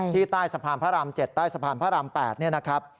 ใต้สะพานพระราม๗ใต้สะพานพระราม๘นี่นะครับ